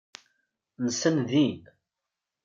Nsan din.